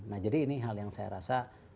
nah jadi ini hal yang saya rasa